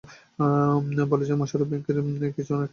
বলে যান মোশারফ, ব্যাংকের কাছে অনেক টাকার দায় তৈরি হয়ে গেছে।